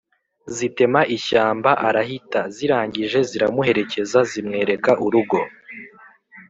zitema ishyamba arahita. zirangije ziramuherekeza, zimwereka urugo